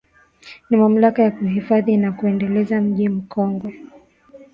Ni mamlaka ya Kuhifadhi na Kuendeleza Mji Mkongwe